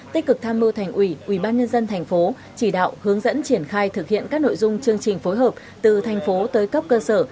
tích cực tham mưu thành ủy ủy ban nhân dân thành phố chỉ đạo hướng dẫn triển khai thực hiện các nội dung chương trình phối hợp từ thành phố tới cấp cơ sở